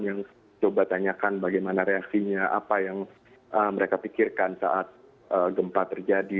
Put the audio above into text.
yang coba tanyakan bagaimana reaksinya apa yang mereka pikirkan saat gempa terjadi